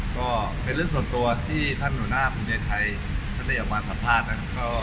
ก็เป็นเรื่องส่วนตัวที่ท่านหนุนหน้าคุณได้ไทยได้ออกมาสัมภาษณ์นะ